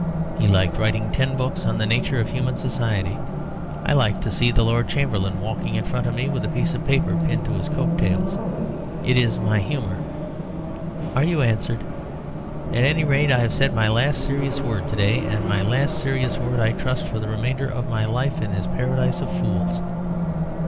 He liked writing ten books on the nature of human society. I like to see the Lord Chamberlain walking in front of me with a piece of paper pinned to his coat tails. It is my humour. Are you answered? At any rate, I have said my last serious word to day, and my last serious word I trust for the remainder of my life in this Paradise of Fools.